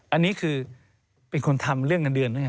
อันนี้คือเป็นคนทำเรื่องเงินเดือนด้วยไง